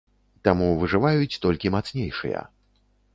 Таму выжываюць толькі мацнейшыя.